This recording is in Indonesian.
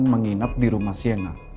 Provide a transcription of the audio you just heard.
menginap di rumah siena